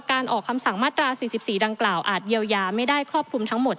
ออกคำสั่งมาตรา๔๔ดังกล่าวอาจเยียวยาไม่ได้ครอบคลุมทั้งหมด